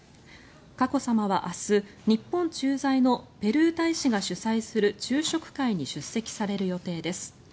佳子さまは明日日本駐在のペルー大使が主催する昼食会に出席される予定です。